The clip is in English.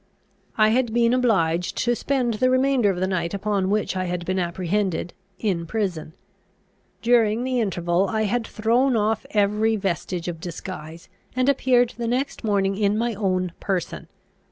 I had been obliged to spend the remainder of the night upon which I had been apprehended, in prison. During the interval I had thrown off every vestige of disguise, and appeared the next morning in my own person.